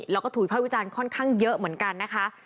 แล้วก็ถูกวิภาควิจารณ์ค่อนข้างเยอะเหมือนกันนะคะ